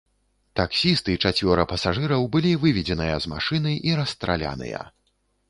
Таксіст і чацвёра пасажыраў былі выведзеныя з машыны і расстраляныя.